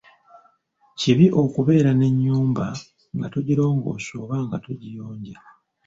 Kibi okubeera n'ennyumba nga togirongoosa oba nga togiyonja.